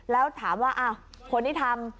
แล้วถามว่าคนที่ทำ